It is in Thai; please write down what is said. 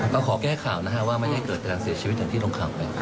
ขอแก้ข่าวนะฮะว่าไม่ให้เกิดการเสียชีวิตอย่างที่ลงข่าวไป